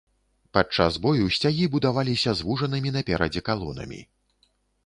Падчас бою сцягі будаваліся звужанымі наперадзе калонамі.